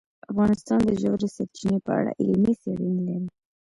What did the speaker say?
افغانستان د ژورې سرچینې په اړه علمي څېړنې لري.